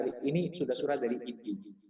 ini sudah surat dari igd